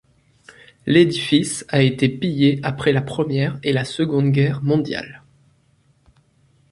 L'édifice a été pillé après la Première et la Seconde Guerre mondiale.